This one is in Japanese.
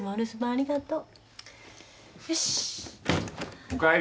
ありがとう。